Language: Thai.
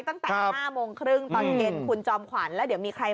ตั้งแต่๕โมงครึ่งตอนเย็นคุณจอมขวัญแล้วเดี๋ยวมีใคร